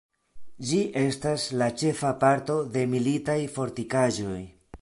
Ĝi estas la ĉefa parto de militaj fortikaĵoj.